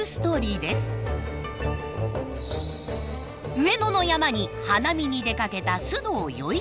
上野の山に花見に出かけた須藤与一